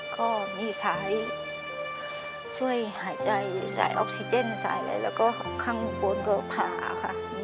ก็มีสายช่วยหายใจสายออกซิเจนสายอะไรแล้วก็ข้างบนก็ผ่าค่ะ